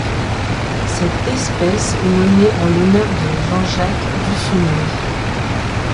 Cette espèce est nommée en l'honneur de Jean-Jacques Dussumier.